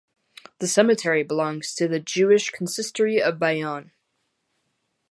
The cemetery belongs to the Jewish Consistory of Bayonne.